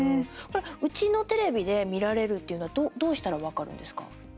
うちのテレビで見られるっていうのはどうしたら分かるんですか？